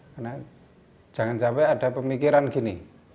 karena jangan sampai ada pemikiran gini